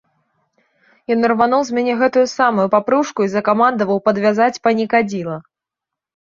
І ён ірвануў з мяне гэтую самую папружку і закамандаваў падвязаць панікадзіла.